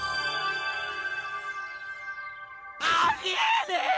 ありえねぇ！